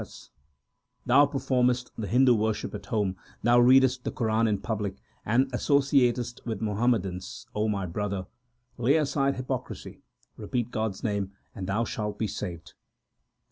240 THE SIKH RELIGION Thou performest the Hindu worship at home, thou readest the Quran in public, and associatest with Muhammadans, 1 O my brother. Lay aside hypocrisy, repeat God s name, and thou shalt be saved.